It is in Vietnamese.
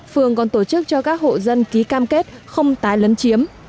phường còn tổ chức cho các hộ dân ký cam kết không tái lấn chiếm